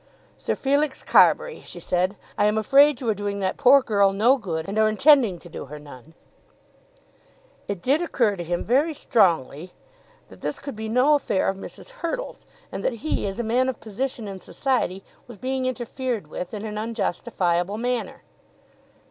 "Sir Felix Carbury," she said, "I am afraid you are doing that poor girl no good, and are intending to do her none." It did occur to him very strongly that this could be no affair of Mrs. Hurtle's, and that he, as a man of position in society, was being interfered with in an unjustifiable manner.